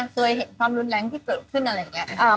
เคยเห็นความรุนแรงที่เกิดขึ้นอะไรอย่างนี้